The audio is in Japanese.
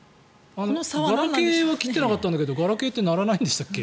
ガラケーは切ってなかったんだけどガラケーって鳴らないんでしたっけ？